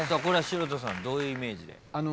これ城田さんどういうイメージで？